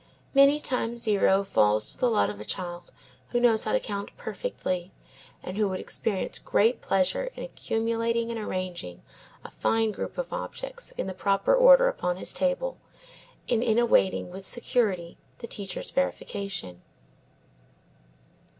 Many times zero falls to the lot of a child who knows how to count perfectly, and who would experience great pleasure in accumulating and arranging a fine group of objects in the proper order upon his table, and in awaiting with security the teacher's verification.